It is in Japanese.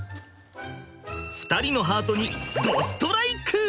２人のハートにドストライク！